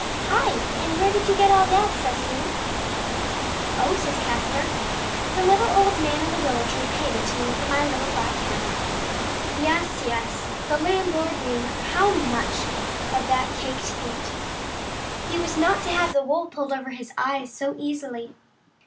" Hi I and where did you get all that ?" says he. ^ufijfavixSntk mompint^toilloto^tnc* " Oh," says Caspar, " the little old man in the willow tree paid it to Hie for my little black hen." Yes, yes, the landlord knew how much of that cake to eat. He was not to have the wool pulled over his eyes so easily.